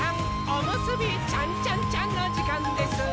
おむすびちゃんちゃんちゃんのじかんです！